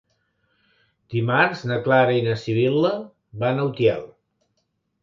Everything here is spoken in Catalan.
Dimarts na Clara i na Sibil·la van a Utiel.